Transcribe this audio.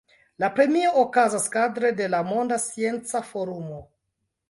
La premio okazas kadre de la Monda Scienca Forumo.